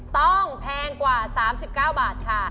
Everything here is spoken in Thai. แพงกว่า๓๙บาทค่ะ